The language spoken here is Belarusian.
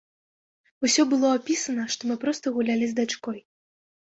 Усё было апісана, што мы проста гулялі з дачкой.